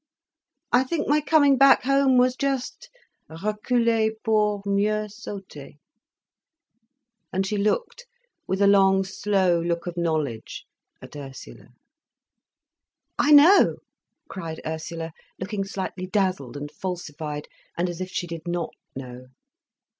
I think my coming back home was just reculer pour mieux sauter." And she looked with a long, slow look of knowledge at Ursula. "I know!" cried Ursula, looking slightly dazzled and falsified, and as if she did not know.